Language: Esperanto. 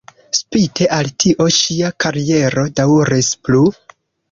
Spite al tio, ŝia kariero daŭris plu.